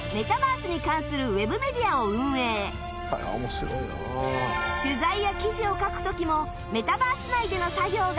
仕事は取材や記事を書く時もメタバース内での作業が多いそう